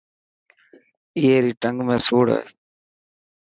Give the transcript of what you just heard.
اي ري ٽنگ ۾ سوڙ هي.